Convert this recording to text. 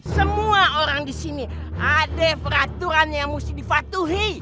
semua orang di sini ada peraturan yang mesti dipatuhi